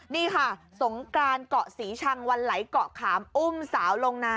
นี่ค่ะสงกรานเกาะศรีชังวันไหลเกาะขามอุ้มสาวลงนา